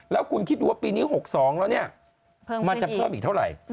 แล้วคุณคิดดูว่าปีนี้๖๒แล้วเนี่ยมันจะเพิ่มอีกเท่าไหร่